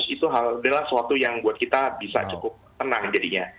itu adalah sesuatu yang buat kita bisa cukup tenang jadinya